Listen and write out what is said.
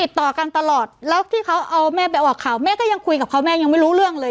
ติดต่อกันตลอดแล้วที่เขาเอาแม่ไปออกข่าวแม่ก็ยังคุยกับเขาแม่ยังไม่รู้เรื่องเลย